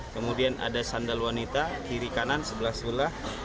kemudian ada sandal wanita kiri kanan sebelah sebelah